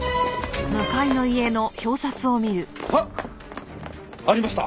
あっ！ありました。